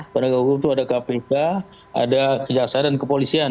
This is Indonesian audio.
penegak hukum itu ada kpk ada kejaksaan dan kepolisian